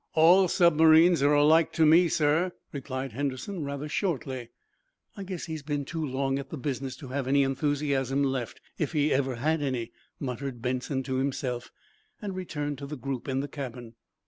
"All submarines are alike to me, sir," replied Henderson, rather shortly. "I guess he's been too long at the business to have any enthusiasm left, if he ever had any," muttered Benson to himself, and returned to the group in the cabin.